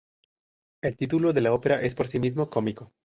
El título de la ópera es por sí mismo cómico.